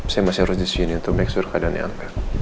saya masih harus disini untuk make sure keadaannya angga